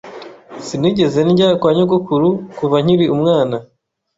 Sinigeze ndya kwa nyogokuru kuva nkiri umwana.